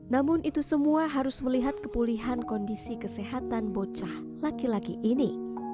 namun itu semua harus melihat kepulihan kondisi kesehatan bocah laki laki ini